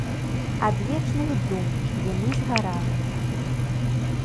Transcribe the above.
Адвечных дум, дзе мы згараем.